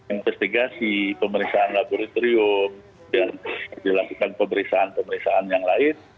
investigasi pemeriksaan laboratorium dan dilakukan pemeriksaan pemeriksaan yang lain